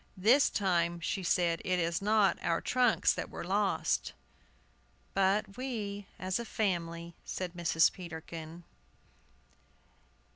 "This time," she said, "it is not our trunks that were lost" "But we, as a family," said Mrs. Peterkin.